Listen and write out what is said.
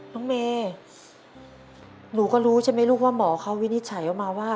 น้องเมย์หนูก็รู้ใช่ไหมลูกว่าหมอเขาวินิจฉัยออกมาว่า